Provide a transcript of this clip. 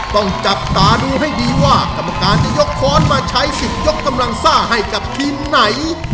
ต้องจับตาดูให้ดีว่ากรรมการจะยกค้อนมาใช้สิทธิ์ยกกำลังซ่าให้กับทีมไหน